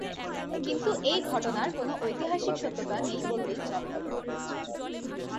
কিন্তু এই ঘটনার কোন ঐতিহাসিক সত্যতা নেই বললেই চলে।